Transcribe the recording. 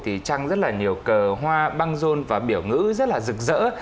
thì trăng rất là nhiều cờ hoa băng rôn và biểu ngữ rất là rực rỡ